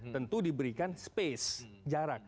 tentu diberikan space jarak